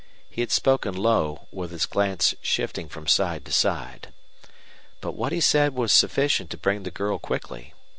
He had spoken low, with his glance shifting from side to side. But what he said was sufficient to bring the girl quickly.